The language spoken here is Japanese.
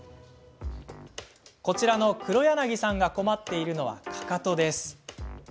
こちらの畔柳さんが困っているのは、かかとです。